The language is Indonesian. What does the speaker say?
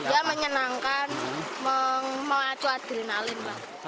ya menyenangkan mengacu adrenalin